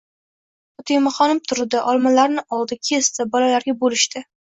Fotimaxonim turdi, olmalarni oldi. Kesdi. Bolalarga bo'lishdi.